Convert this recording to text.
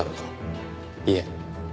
いえ。